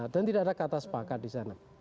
dan tidak ada kata sepakat di sana